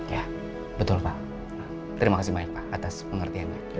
ya betul pak terima kasih banyak pak atas pengertiannya